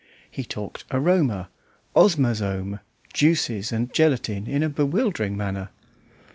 He talked aroma, osmazome, juices, and gelatine in a bewildering manner.